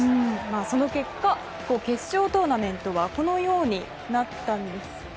その結果決勝トーナメントがこのようになったんですが